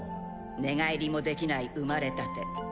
寝返りもできない生まれたて。